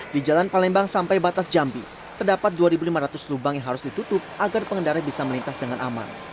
di jalan palembang sampai batas jambi terdapat dua lima ratus lubang yang harus ditutup agar pengendara bisa melintas dengan aman